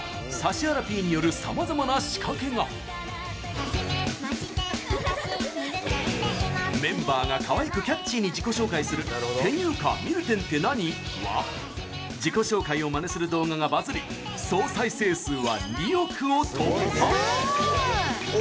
「初めましてわたし「みるてん」って言います」メンバーが、かわいくキャッチーに自己紹介する「てゆーか、みるてんって何？」は自己紹介をまねする動画がバズり、総再生数は２億を突破。